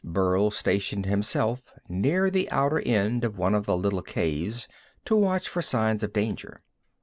Burl stationed himself near the outer end of one of the little caves to watch for signs of danger.